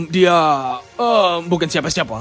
dia bukan siapa siapa